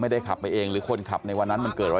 ขับไปเองหรือคนขับในวันนั้นมันเกิดอะไร